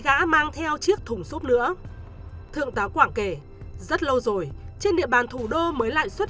gã mang theo chiếc thùng xốp nữa thượng tá quảng kể rất lâu rồi trên địa bàn thủ đô mới lại xuất